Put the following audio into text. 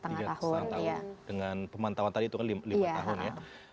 tiga setengah tahun dengan pemantauan tadi itu kan lima tahun ya